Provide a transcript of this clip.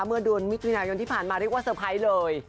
เมื่อเดือนมิถุนายนที่ผ่านมาเรียกว่าเซอร์ไพรส์เลย